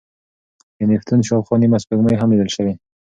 د نیپتون شاوخوا نیمه سپوږمۍ هم لیدل شوې.